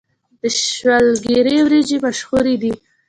د شولګرې وريجې مشهورې دي